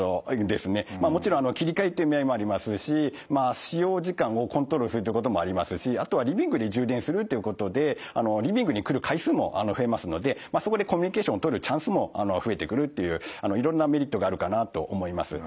もちろん切り替えっていう意味合いもありますし使用時間をコントロールするっていうこともありますしあとはリビングで充電するっていうことでリビングに来る回数も増えますのでそこでコミュニケーションをとるチャンスも増えてくるっていういろんなメリットがあるかなと思います。